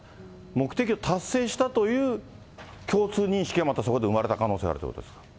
目的を達成したという共通認識が、またそこで生まれた可能性があるということですか。